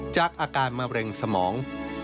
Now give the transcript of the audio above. จากอาการมะเร็งสมอง